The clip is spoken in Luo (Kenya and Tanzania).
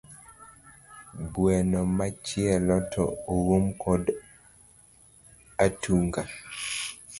Gweno machielo to oum kod atonga